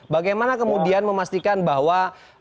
bagaimana kemudian memastikan bahwa